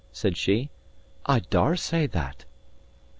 said she. "I daur say that!"